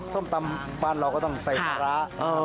ส้มตำบ้านเราก็ต้องใส่ปลาร้า